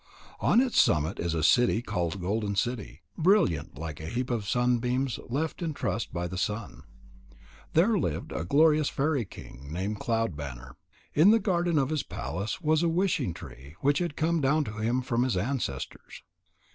On its summit is a city called Golden City, brilliant like a heap of sunbeams left in trust by the sun. There lived a glorious fairy king named Cloud banner. In the garden of his palace was a wishing tree which had come down to him from his ancestors.